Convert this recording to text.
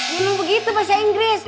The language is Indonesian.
gak begitu bahasa inggris